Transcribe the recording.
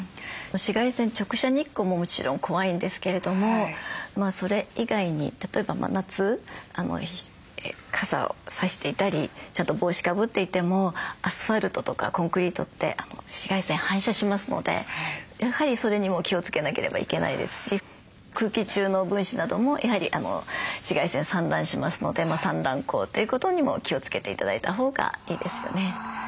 紫外線直射日光ももちろん怖いんですけれどもそれ以外に例えば真夏傘を差していたりちゃんと帽子かぶっていてもアスファルトとかコンクリートって紫外線反射しますのでやはりそれにも気をつけなければいけないですし空気中の分子などもやはり紫外線散乱しますので散乱光ということにも気をつけて頂いたほうがいいですよね。